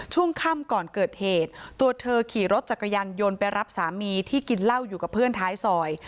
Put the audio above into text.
ช่วงค่ำก่อนเกิดเหตุตัวเธอขี่รถจักรยานยนต์ไปรับสามีที่กินเหล้าอยู่กับเพื่อนท้ายซอย